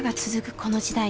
この時代。